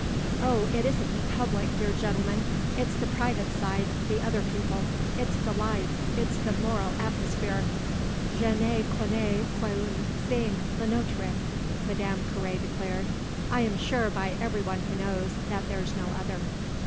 "Oh it isn't the public, dear gentlemen. It's the private side, the other people it's the life, it's the moral atmosphere." "Je ne connais qu'une scène, la nôtre," Madame Carré declared. "I'm assured by every one who knows that there's no other."